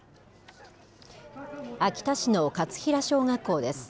秋田市の勝平小学校です。